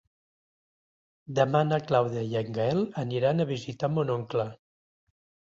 Demà na Clàudia i en Gaël aniran a visitar mon oncle.